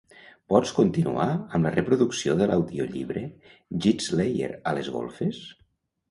Pots continuar amb la reproducció de l'audiollibre "Gitslayer" a les golfes?